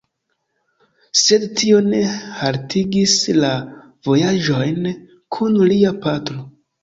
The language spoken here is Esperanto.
Sed tio ne haltigis la vojaĝojn kun lia patro.